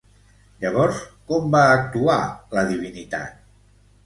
Llavors, com va actuar la divinitat?